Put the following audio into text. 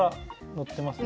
のってますね。